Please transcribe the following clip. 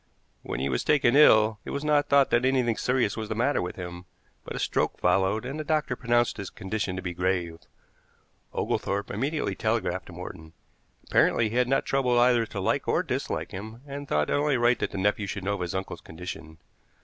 When he was taken ill it was not thought that anything serious was the matter with him, but a stroke followed, and the doctor pronounced his condition to be grave. Oglethorpe immediately telegraphed to Morton. Apparently he had not troubled either to like or dislike him, and thought it only right that the nephew should know of his uncle's condition.